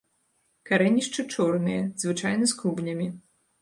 Карэнішчы чорныя, звычайна з клубнямі.